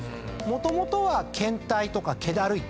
もともとは倦怠とか気だるい。